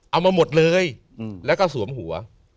เอามาหมดเลยแล้วก็สวมหัว